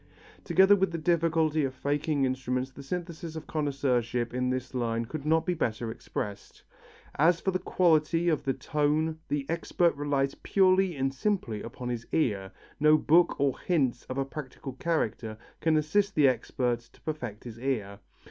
Together with the difficulty of faking instruments the synthesis of connoisseurship in this line could not be better expressed. As for the quality of the tone, the expert relies purely and simply upon his ear, no book or hints of a practical character can assist the expert to perfect his ear.